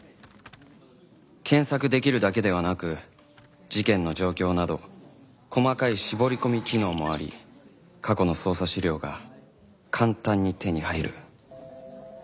検索できるだけではなく事件の状況など細かい絞り込み機能もあり過去の捜査資料が簡単に手に入る